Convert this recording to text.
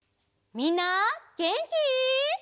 みんなげんき？